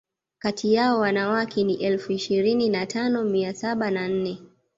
Kati yao wanawake ni elfu ishirini na tano mia saba na nne